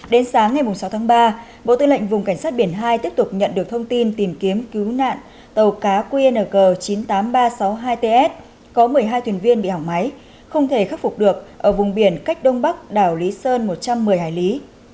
đến sáng ngày sáu tháng ba bộ tư lệnh vùng cảnh sát biển hai tiếp tục nhận được thông tin tìm kiếm cứu nạn tàu cá qng chín mươi tám nghìn ba trăm sáu mươi hai ts có một mươi hai thuyền viên bị hỏng máy không thể khắc phục được ở vùng biển cách đông bắc đảo lý sơn một trăm một mươi hải lý